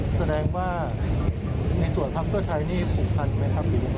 แสดงว่าในส่วนพรรคเกื้อไทยปหุคพลันหรือไม่พัฟธี